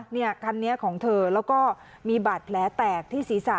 คันนี้ของเธอแล้วก็มีบาดแผลแตกที่ศีรษะ